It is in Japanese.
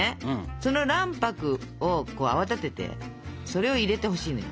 その卵白を泡立ててそれを入れてほしいのよ。